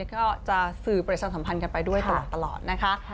ก็จะสื่อประชาสัมพันธ์กันไปด้วยตลอดนะคะ